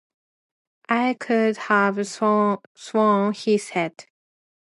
'I could have sworn,' he said.